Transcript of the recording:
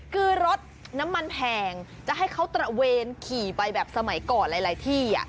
คือรถน้ำมันแพงจะให้เขาตระเวนขี่ไปแบบสมัยก่อนหลายที่